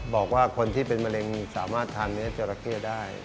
บอกว่าคนที่เป็นมะเร็งสามารถทานเนื้อจราเข้ได้